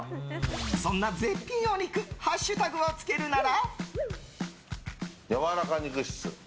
そんな絶品お肉ハッシュタグをつけるなら？